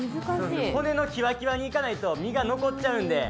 骨のきわきわにいかないと身が残っちゃうんで。